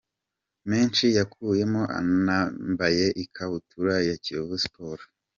menshi yakuyemo anambaye ikabutura ya Kiyovu Sports.